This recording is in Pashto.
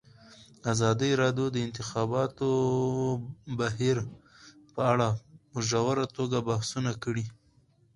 ازادي راډیو د د انتخاباتو بهیر په اړه په ژوره توګه بحثونه کړي.